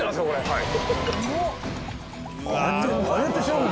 はい！